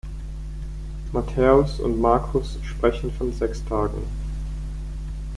Matthäus und Markus sprechen von sechs Tagen.